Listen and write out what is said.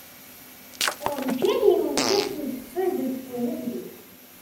Urǧin yewwet-d udfel deg unebdu.